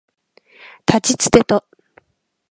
たちつてと